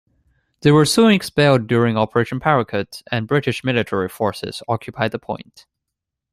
They were soon expelled during Operation Paraquet and British military forces occupied the point.